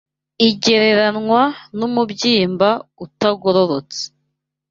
igereranywa n’umubyimba utagororotse